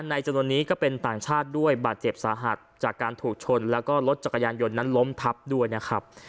จำนวนนี้ก็เป็นต่างชาติด้วยบาดเจ็บสาหัสจากการถูกชนแล้วก็รถจักรยานยนต์นั้นล้มทับด้วยนะครับ